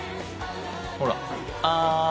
ほらあん。